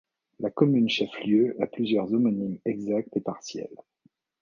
La commune chef-lieu a plusieurs homonymes exacts et partiels.